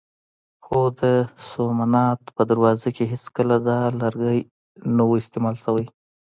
خو د سومنات په دروازو کې هېڅکله دا لرګی نه و استعمال شوی.